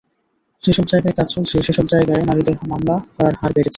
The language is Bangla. যেসব জায়গায় কাজ চলছে, সেসব জায়গায় নারীদের মামলা করার হার বেড়েছে।